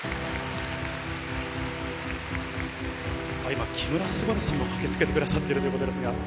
今、木村昴さんも駆けつけてくださっているということですが。